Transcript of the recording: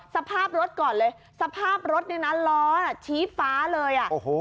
สภาพรถก่อนเลยสภาพรถเนี่ยนะล้อน่ะชี้ฟ้าเลยอ่ะโอ้โห